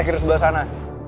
gue sebelah sana